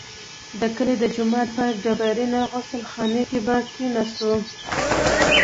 د کلي د جومات په ډبرینه غسل خانه کې به کښېناست.